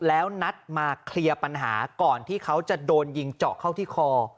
แล้วนัดมาเคลียร์ปัญหาก่อนที่เขาจะโดนยิงเจาะเข้าที่คอ